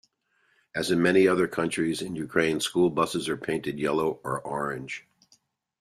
As in many other countries, in Ukraine, school buses are painted yellow or orange.